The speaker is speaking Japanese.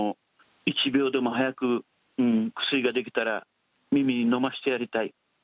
一秒でも早く薬が出来たらミミに飲ませてやりたい。